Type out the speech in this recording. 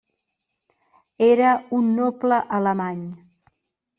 Era un noble alemany.